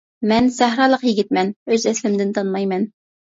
مەن سەھرالىق يىگىتمەن، ئۆز ئەسلىمدىن تانمايمەن.